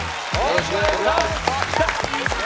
よろしくお願いします。